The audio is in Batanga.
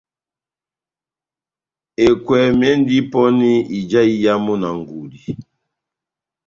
Ekwɛmi endi pɔni ija iyamu na ngudi